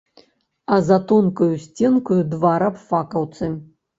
А за тонкаю сценкаю два рабфакаўцы.